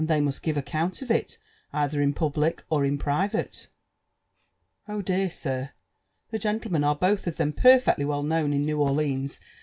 they must give acefiuat of it either in public or in private. ''* Oh dear 1 sir, the gentlemen are both of them pmrfeetly writ b|ew« in New Orleans.